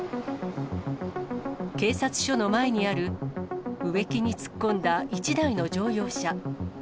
警察署の前にある植木に突っ込んだ一台の乗用車。